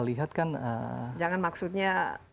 lihat kan jangan maksudnya